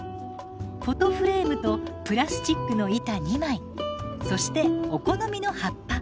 フォトフレームとプラスチックの板２枚そしてお好みの葉っぱ。